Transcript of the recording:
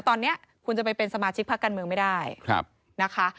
ตอนนี้คุณจะไปเป็นสมาชิกพักการเมืองไม่ได้นะคะ